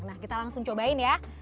nah kita langsung cobain ya